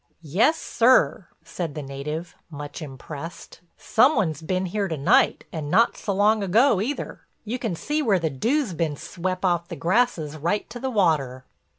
"Yes, sir," said the native, much impressed; "some one's been here to night and not s'long ago either. You can see where the dew's been swep' off the grasses right to the water."